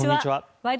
「ワイド！